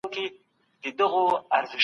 کُنت پر مشاهده او آزموينه ټينګار کاوه.